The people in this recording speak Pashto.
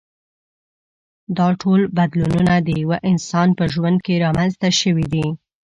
دا ټول بدلونونه د یوه انسان په ژوند کې رامنځته شوي دي.